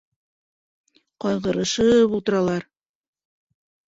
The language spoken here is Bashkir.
Ҡайғырышып ултыралар.